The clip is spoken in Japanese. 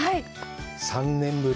３年ぶり。